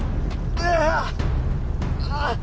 ああ！